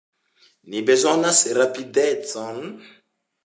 Ni bezonas rapidecon!